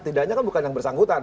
tidaknya kan bukan yang bersangkutan